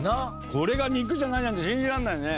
これが肉じゃないなんて信じられないね。